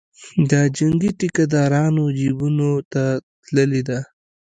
د جنګي ټیکدارانو جیبونو ته تللې ده.